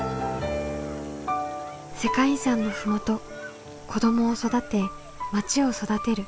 世界遺産の麓子どもを育てまちを育てる。